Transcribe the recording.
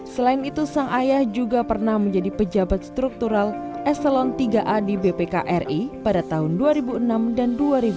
selain itu sang ayah juga pernah menjadi pejabat struktural eselon tiga a di bpkri pada tahun dua ribu enam dan dua ribu empat